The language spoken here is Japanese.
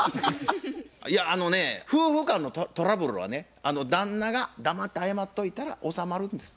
いやあのね夫婦間のトラブルはね旦那が黙って謝っといたら収まるんです。